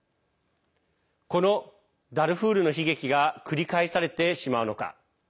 このダルフールの悲劇が繰り返されてしまうのか。